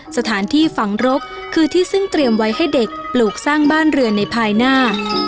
สถานที่ฝังรกคือที่ซึ่งเตรียมไว้ให้เด็กปลูกสร้างบ้านเรือนในภายหน้า